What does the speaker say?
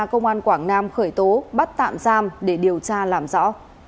công an quảng nam khởi tố bắt tạm giam để điều tra làm rõ